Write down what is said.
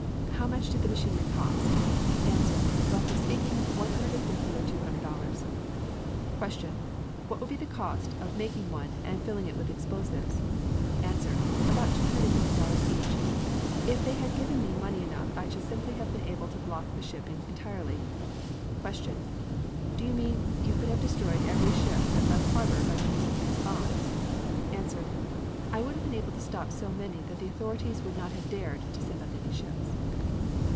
How much did the machinery cost? A. Roughly speaking, $150 or $200. Q. What would be the cost of making one and filling it with explosives? A. About $250 each ... If they had given me money enough I should simply have been able to block the shipping entirely. Q. Do you mean you could have destroyed every ship that left the harbor by means of those bombs? A. I would have been able to stop so many that the authorities would not have dared (to send out any ships).